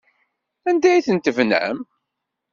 Anda ay tent-tebnam?